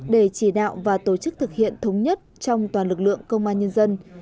để chỉ đạo và tổ chức thực hiện thống nhất trong toàn lực lượng công an nhân dân